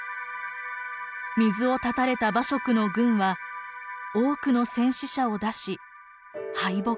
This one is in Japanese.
水を断たれた馬謖の軍は多くの戦死者を出し敗北したのです。